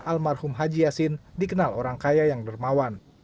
almarhum haji yasin dikenal orang kaya yang dermawan